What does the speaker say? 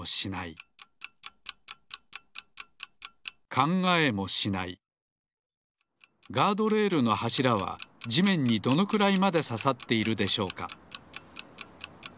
考えもしないガードレールのはしらはじめんにどのくらいまでささっているでしょうか？